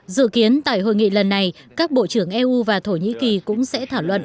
dự kiến tại hội nghị lần này các bộ trưởng eu và thổ nhĩ kỳ cũng sẽ thảo luận